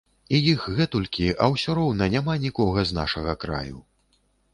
І іх гэтулькі, а ўсё роўна няма нікога з нашага краю.